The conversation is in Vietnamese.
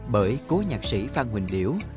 bởi cố nhạc sĩ phan huỳnh điểu